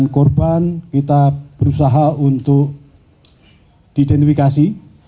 dan korban kita berusaha untuk diidentifikasi